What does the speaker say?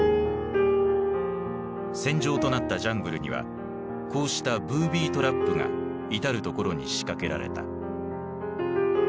戦場となったジャングルにはこうした「ブービートラップ」が至る所に仕掛けられた。